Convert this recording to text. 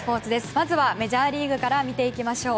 まずはメジャーリーグから見ていきましょう。